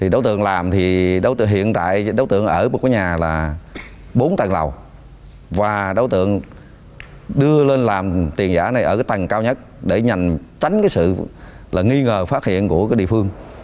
đấu tượng làm thì hiện tại đấu tượng ở một nhà là bốn tầng lầu và đấu tượng đưa lên làm tiền giả này ở tầng cao nhất để nhằn tránh sự nghi ngờ phát hiện của địa phương